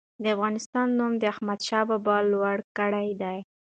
د افغانستان نوم د احمدشاه بابا لوړ کړی دی.